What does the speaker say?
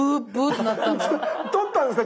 とったんですか？